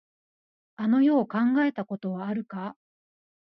あの世を考えたことはあるか。